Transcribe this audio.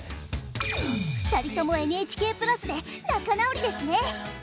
２人ともＮＨＫプラスで仲直りですね。